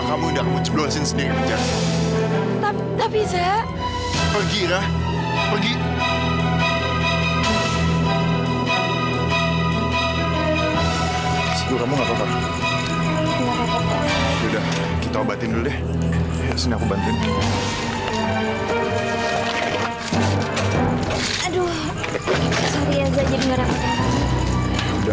sampai jumpa di video selanjutnya